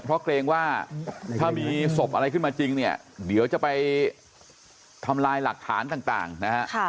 เพราะเกรงว่าถ้ามีศพอะไรขึ้นมาจริงเนี่ยเดี๋ยวจะไปทำลายหลักฐานต่างนะฮะ